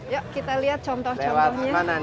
yuk kita lihat contoh contohnya